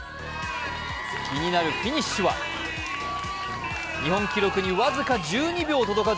気になるフィニッシュは日本記録に僅か１２秒届かず。